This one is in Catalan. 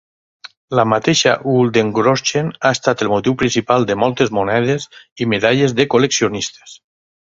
La mateixa Guldengroschen ha estat el motiu principal de moltes monedes i medalles de col·leccionistes.